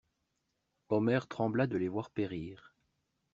Omer trembla de les voir périr.